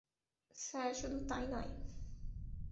Sir শুধু তাই নয়।